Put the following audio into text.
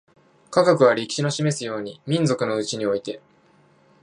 科学は、歴史の示すように、民族のうちにおいて